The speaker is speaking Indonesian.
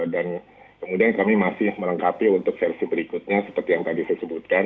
dan kemudian kami masih merangkapi untuk versi berikutnya seperti yang tadi saya sebutkan